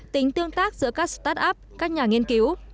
tính tương tác giữa các start up các nhà nghiên cứu